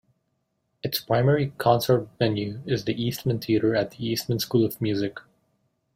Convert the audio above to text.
Its primary concert venue is the Eastman Theatre at the Eastman School of Music.